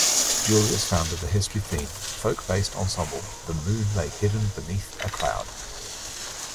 Julius founded the history-themed, folk-based ensemble, The Moon Lay Hidden Beneath a Cloud.